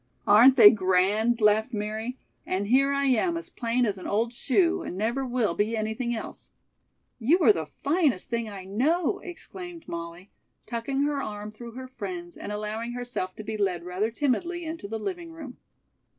"Aren't they grand?" laughed Mary. "And here I am as plain as an old shoe, and never will be anything else." "You are the finest thing I know," exclaimed Molly, tucking her arm through her friend's and allowing herself to be led rather timidly into the living room.